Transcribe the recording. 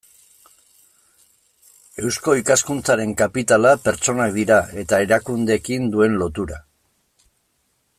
Eusko Ikaskuntzaren kapitala pertsonak dira eta erakundeekin duen lotura.